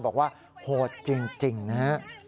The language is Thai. บอกว่าโหดจริงนะฮะ